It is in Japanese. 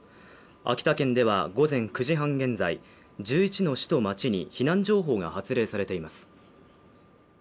秋田県では午前９時半現在、１１の市と町に避難情報が発令されています。